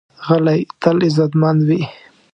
غلی، تل عزتمند وي.